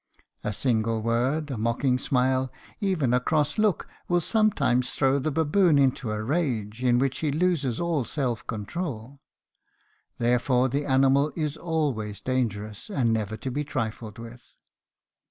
A single word, a mocking smile, even a cross look, will sometimes throw the baboon into a rage, in which he loses all self control." Therefore the animal is always dangerous and never to be trifled with.